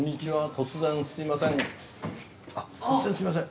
突然すいません。